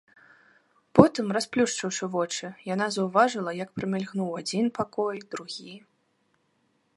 Потым, расплюшчыўшы вочы, яна заўважыла, як прамільгнуў адзін пакой, другі.